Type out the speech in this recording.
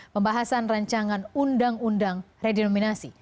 pembahasan rancangan undang undang redenominasi